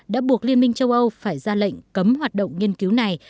đã buộc liên minh châu âu phải ra lệnh cấm hoạt động nghiên cứu này